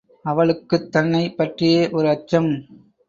அவளுக்குத் தன்னைப் பற்றியே ஒரு அச்சம்.